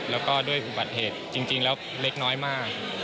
แล้วก็ด้วยอุบัติเหตุจริงแล้วเล็กน้อยมาก